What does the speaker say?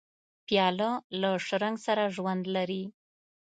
پیاله له شرنګ سره ژوند لري.